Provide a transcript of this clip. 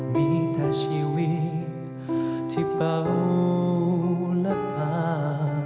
มีเธอชีวิตที่เบาและพา